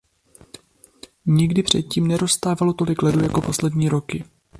Nikdy předtím neroztávalo tolik ledu jako poslední roky.